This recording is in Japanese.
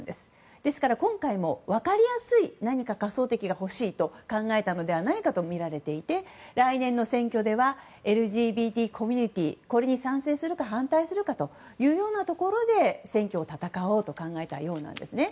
ですから、今回も分かりやすい何か仮想敵が欲しいと考えたのではないかとみられていて来年の選挙ではＬＧＢＴコミュニティーに賛成するか反対するかというところで選挙を戦おうと考えたようなんです。